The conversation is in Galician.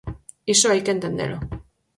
Iso hai que entendelo.